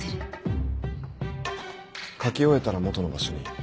書き終えたら元の場所に。